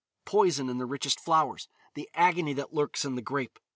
Poison in the richest flowers, the agony that lurks in the grape.